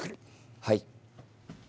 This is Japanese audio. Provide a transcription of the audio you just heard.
はい。